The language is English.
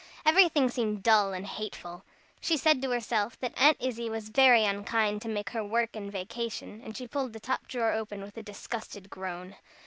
Everything seemed dull and hateful. She said to herself, that Aunt Izzie was very unkind to make her work in vacation, and she pulled the top drawer open with a disgusted groan.